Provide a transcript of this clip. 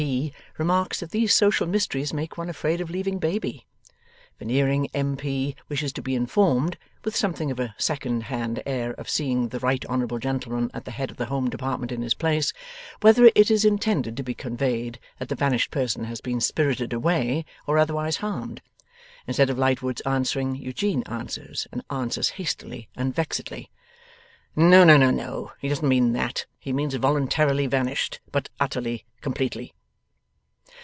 P., remarks that these social mysteries make one afraid of leaving Baby. Veneering, M.P., wishes to be informed (with something of a second hand air of seeing the Right Honourable Gentleman at the head of the Home Department in his place) whether it is intended to be conveyed that the vanished person has been spirited away or otherwise harmed? Instead of Lightwood's answering, Eugene answers, and answers hastily and vexedly: 'No, no, no; he doesn't mean that; he means voluntarily vanished but utterly completely.